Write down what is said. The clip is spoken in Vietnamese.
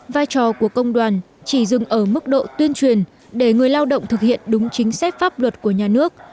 vai trò của công đoàn chỉ dừng ở mức độ tuyên truyền để người lao động thực hiện đúng chính sách pháp luật của nhà nước